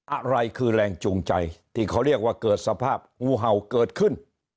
อะไรคือแรงจูงใจที่เขาเรียกว่าเกิดสภาพงูเห่าเกิดขึ้น